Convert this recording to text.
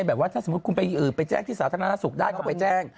แบบว่าถ้าสมมุติคุณไปแจ้งที่สาธารณสุขได้ก็ไปแจ้ง